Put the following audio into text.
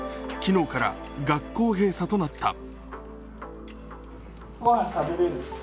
昨日から学校閉鎖となった。